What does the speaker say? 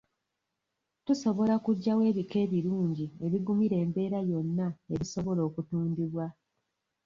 Tusobola kugyawa ebika ebirungi ebigumira embeera yonna ebisobola okutundibwa?